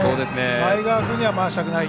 前川君には回したくない。